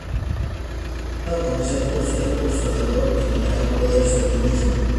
Se ha dado a conocer por su labor en el campo del feminismo.